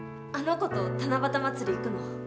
あの子と七夕祭り行くの？